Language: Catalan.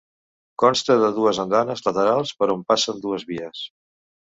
Consta de dues andanes laterals per on passen dues vies.